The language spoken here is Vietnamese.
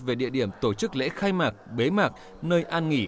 về địa điểm tổ chức lễ khai mạc bế mạc nơi an nghỉ